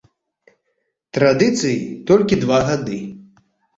Традыцыі толькі два гады.